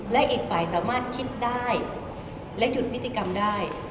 และอีกฝ่ายสามารถคิดได้และหยุดนิติกรรมได้